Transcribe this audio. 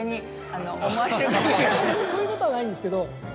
そういうことはないんですけど。